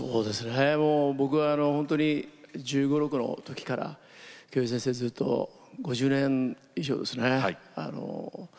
僕は本当に１５、１６の時から筒美先生、５０年以上ですね